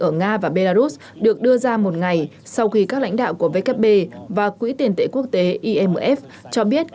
ở nga và belarus được đưa ra một ngày sau khi các lãnh đạo của vkp và quỹ tiền tệ quốc tế imf cho biết